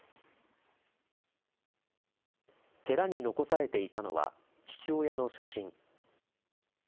寺に残されていたのは、父親の写真。